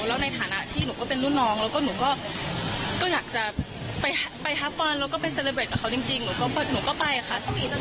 แล้วในฐานะที่หนูก็เป็นรุ่นน้องแล้วก็หนูก็อยากจะไปฮาร์บอลแล้วก็ไปเซเลเบตกับเขาจริงหนูก็ไปค่ะ